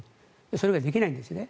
それができないんですね。